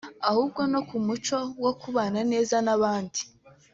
ahubwo no ku muco wo kubana neza n’abandi